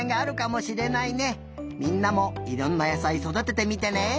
みんなもいろんな野さいそだててみてね！